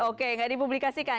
oke gak dipublikasikan